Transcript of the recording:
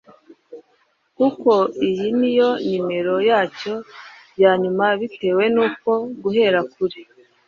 kuko iyi niyo nimero yacyo ya nyuma bitewe nuko guhera kuri